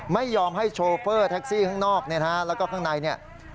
ไม่ยอมให้โชเฟอร์แท็กซี่ข้างนอกและข้างใน